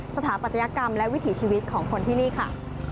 สถาปัตยกรรมและวิถีชีวิตของคนที่นี่ค่ะ